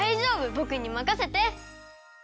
ぼくにまかせて！